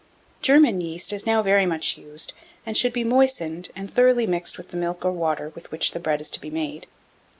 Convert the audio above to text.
German yeast is now very much used, and should be moistened, and thoroughly mixed with the milk or water with which the bread is to be made.